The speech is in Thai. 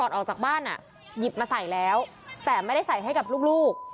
ออกจากบ้านหยิบมาใส่แล้วแต่ไม่ได้ใส่ให้กับลูก